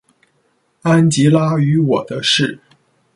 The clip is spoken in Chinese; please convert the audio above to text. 安吉拉与我的事。